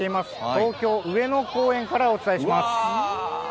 東京・上野公園からお伝えします。